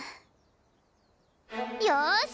よし！